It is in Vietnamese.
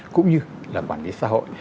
cũng như là quản lý xã hội